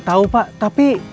tuh pak bener